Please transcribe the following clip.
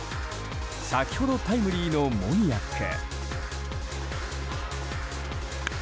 先ほどタイムリーのモニアック。